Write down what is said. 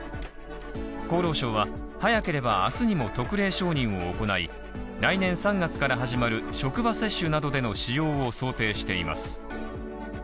厚労省は、早ければ明日にも特例承認を行い、来年３月から始まる職場接種などでの使用を想定しています。